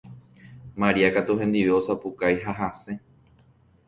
Maria katu hendive osapukái ha hasẽ